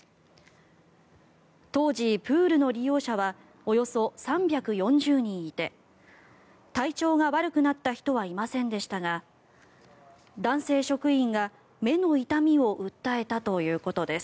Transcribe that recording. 当時、プールの利用者はおよそ３４０人いて体調が悪くなった人はいませんでしたが男性職員が目の痛みを訴えたということです。